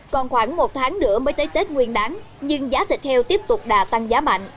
còn khoảng một tháng nữa mới tới tết nguyên đáng nhưng giá thịt heo tiếp tục đà tăng giá mạnh